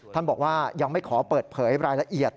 ท่านบอกว่ายังไม่ขอเปิดเผยรายละเอียด